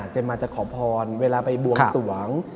มาจะขอพรเวลาไปบวงสวง